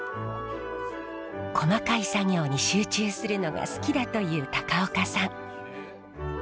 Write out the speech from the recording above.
細かい作業に集中するのが好きだという高岡さん。